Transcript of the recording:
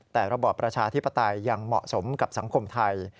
แต่ระบอบประชาธิปไตยยังเหมาะสมกับสังคมไทย